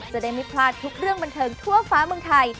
จะได้ไม่พลาดทุกเรื่องบันเทิงทั่วฟ้าเมืองไทย